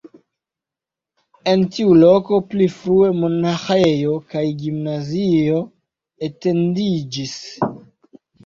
En tiu loko pli frue monaĥejo kaj gimnazio etendiĝis.